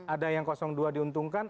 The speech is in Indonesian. ada yang dua diuntungkan